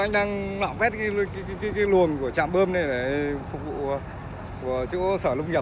anh đang lọc vét cái luồng của trạm bơm này để phục vụ chỗ sở lông nhập